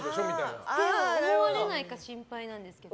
思われないか心配なんですけど。